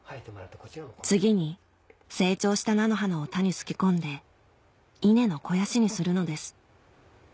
次に成長した菜の花を田にすき込んで稲の肥やしにするのです